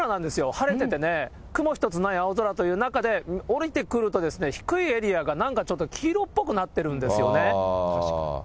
晴れててね、雲一つない青空という中で、下りてくると低いエリアがなんかちょっと黄色っぽくなってるんですよね。